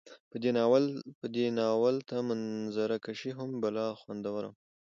په دې ناول ته منظره کشي هم بلا خوندوره وه